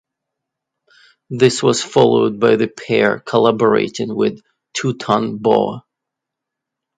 This was followed by the pair collaborating with Two Ton Boa.